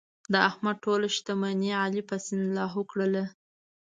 د احمد ټوله شتمني علي په سیند لاهو کړله.